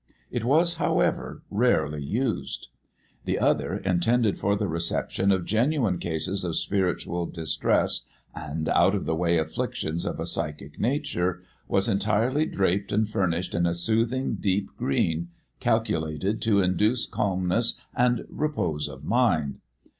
It was, however, rarely used. The other, intended for the reception of genuine cases of spiritual distress and out of the way afflictions of a psychic nature, was entirely draped and furnished in a soothing deep green, calculated to induce calmness and repose of mind.